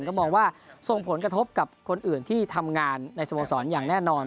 ก็มองว่าส่งผลกระทบกับคนอื่นที่ทำงานในสโมสรอย่างแน่นอน